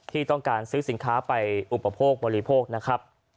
ที่ต้องการซื้อสินค้าไปอุปโภคบริโภคนะครับ